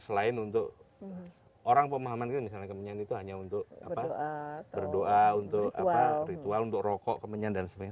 selain untuk orang pemahaman misalnya kemenyan itu hanya untuk berdoa untuk ritual untuk rokok kemenyan dan sebagainya